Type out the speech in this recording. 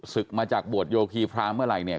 ศึกมาจากบวชโยคีพระเมื่อไหร่เนี่ย